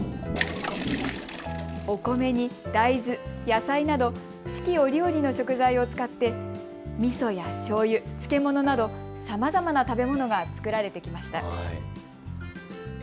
お米に大豆、野菜など四季折々の食材を使ってみそやしょうゆ、漬物などさまざまな食べ物が作られてきました。